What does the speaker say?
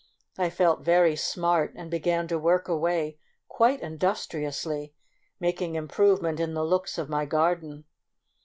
I felt very smart, and began to work away quite industriously, making improvement in the looks of my garden.